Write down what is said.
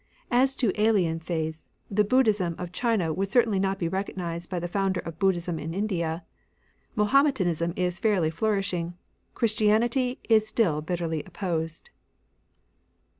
As to alien faiths, the Buddhism of China would certainly not be recognised by the Founder of Buddhism in India ; Mahometan ism is fairly flourishing ; Christianity is still bitterly opposed.